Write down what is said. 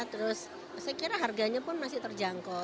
terus saya kira harganya pun masih terjangkau